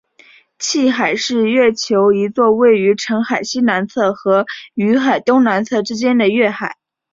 汽海是月球一座位于澄海西南侧和雨海东南侧之间的月海。